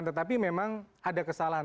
tetapi memang ada kesalahan